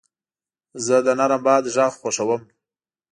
زه د نرم باد غږ خوښوم.